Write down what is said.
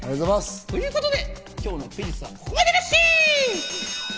ということで今日のクイズッスはここまでなっしー！